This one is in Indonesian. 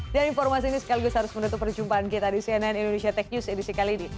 dan informasi ini sekaligus harus menutup perjumpaan kita di cnn indonesia tech news edisi kali ini